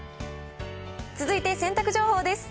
続いて洗濯情報です。